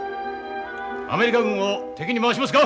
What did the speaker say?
アメリカ軍を敵に回しますか？